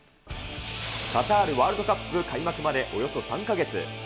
カタールワールドカップ開幕までおよそ３か月。